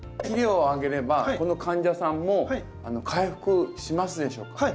肥料をあげればこの患者さんも回復しますでしょうか？